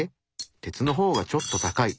鉄の方がちょっと高い。